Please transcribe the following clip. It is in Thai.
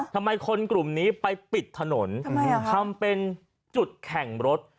ทำไมคนกลุ่มนี้ไปปิดถนนทำเป็นจุดแข่งรถ